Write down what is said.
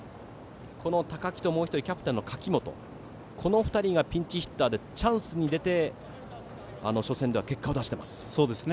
この高木とキャプテンの柿本この２人はピンチヒッターでチャンスに出て、初戦では結果を出しています。